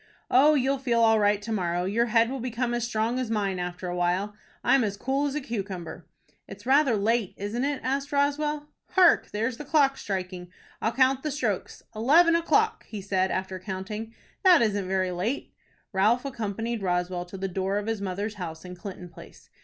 "Oh, you'll feel all right to morrow. Your head will become as strong as mine after a while. I'm as cool as a cucumber." "It's rather late, isn't it?" asked Roswell. "Hark, there's the clock striking. I'll count the strokes. Eleven o'clock!" he said, after counting. "That isn't very late." Ralph accompanied Roswell to the door of his mother's house in Clinton Place.